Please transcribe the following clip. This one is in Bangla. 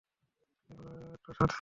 ওগুলোর একটা স্বাদ ছিল।